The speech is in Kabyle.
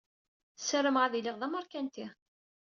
SarameƔ ad iliƔ d amaṛkanti.